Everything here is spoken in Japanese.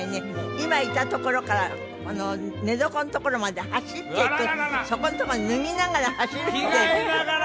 今いたところから寝床のところまで走っていくそこのとこに脱ぎながら走って着替えながら！？